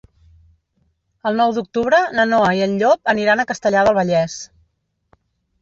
El nou d'octubre na Noa i en Llop aniran a Castellar del Vallès.